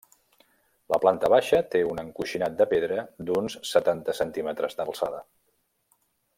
La planta baixa té un encoixinat de pedra, d'uns setanta centímetres d'alçada.